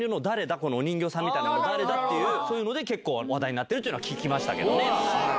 このお人形さんみたいなの誰だっていう、そういうので結構話題になってるって聞きましたけどね。